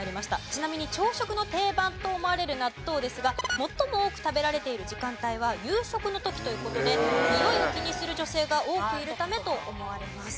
ちなみに朝食の定番と思われる納豆ですが最も多く食べられている時間帯は夕食の時という事でにおいを気にする女性が多くいるためと思われます。